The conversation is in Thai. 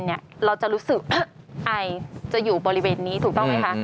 เราจะรู้สึกไอจะอยู่บริเวณนี้ถูกต้องไหมคะ